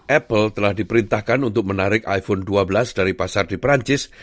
apple telah diperintahkan untuk menarik iphone dua belas dari pasar di perancis